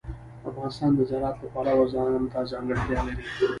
افغانستان د زراعت له پلوه ځانته ځانګړتیا لري.